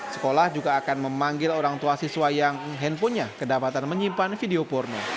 sekolah juga akan memanggil orang tua siswa yang handphonenya kedapatan menyimpan video porno